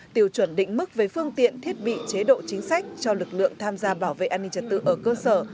tiêu chuẩn định mức về phương tiện thiết bị chế độ chính sách cho lực lượng tham gia bảo vệ an ninh trật tự ở cơ sở